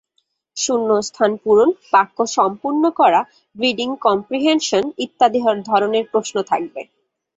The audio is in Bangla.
শূন্যস্থান পূরণ, বাক্য সম্পূর্ণ করা, রিডিং কমপ্রিহেনশন ইত্যাদি ধরনের প্রশ্ন থাকবে।